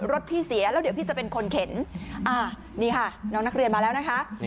รถพี่เสียแล้วเดี๋ยวพี่จะเป็นคนเข็นนี่ค่ะน้องนักเรียนมาแล้วนะคะ